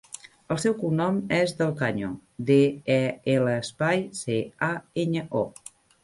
El seu cognom és Del Caño: de, e, ela, espai, ce, a, enya, o.